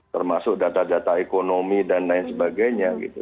termasuk data data ekonomi dan lain sebagainya gitu